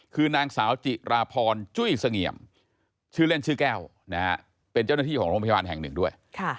คือนางสาวจิราพรจุ้ยเสงี่ยมชื่อเล่นชื่อแก้วเป็นเจ้าหน้าที่ของโรงพยาบาลแห่งหนึ่งด้วย